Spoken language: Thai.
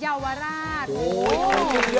อย่าเวลร่าช